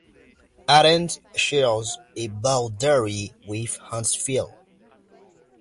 Athens shares a boundary with Huntsville.